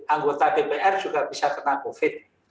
anggota dpr juga bisa kena covid